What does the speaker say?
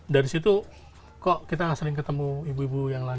dari situ kok kita gak sering ketemu ibu ibu yang lain